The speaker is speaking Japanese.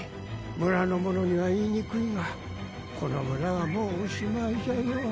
村の者には言いにくいがこの村はもうおしまいじゃよ。